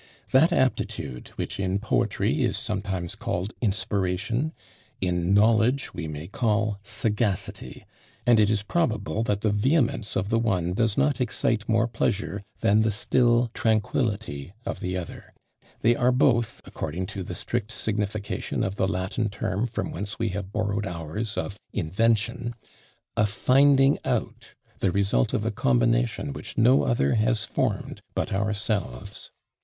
That aptitude, which in poetry is sometimes called inspiration, in knowledge we may call sagacity; and it is probable that the vehemence of the one does not excite more pleasure than the still tranquillity of the other: they are both, according to the strict signification of the Latin term from whence we have borrowed ours of invention, a finding out, the result of a combination which no other has formed but ourselves.